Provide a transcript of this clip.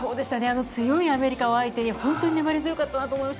強いアメリカを相手に粘り強かったと思いました。